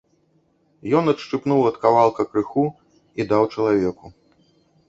Ён адшчыпнуў ад кавалка крыху і даў чалавеку.